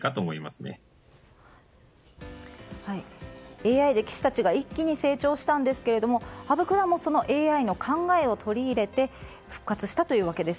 ＡＩで棋士たちが一気に成長したんですが羽生九段もそのＡＩの考えを取り入れて復活したというわけです。